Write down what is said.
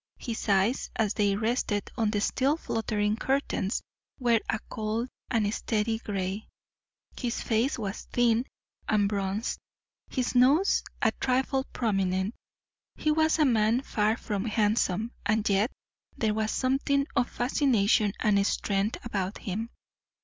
His eyes, as they rested on the still fluttering curtains, were a cold and steady gray. His face was thin and bronzed, his nose a trifle prominent. He was a man far from handsome, and yet there was something of fascination and strength about him.